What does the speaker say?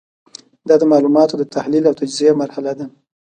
دا د معلوماتو د تحلیل او تجزیې مرحله ده.